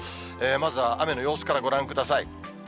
まずは雨の様子からご覧ください。